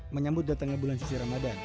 menyambut datangnya bulan suci ramadan